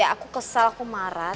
aku kesal aku marah